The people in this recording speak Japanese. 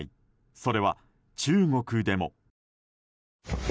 それは、中国でも。